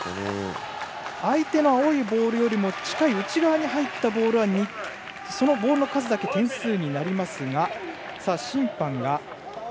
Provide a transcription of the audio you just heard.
相手の青いボールよりも近く内側に入ったボールはそのボールの数だけ点数になりますが。